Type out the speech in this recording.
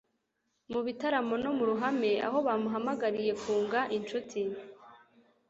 mu bitaramo, no mu ruhame aho bamuhamagariye kunga inshuti